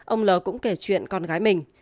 ông l cũng kể chuyện con gái mình